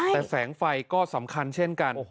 แต่แสงไฟก็สำคัญเช่นกัน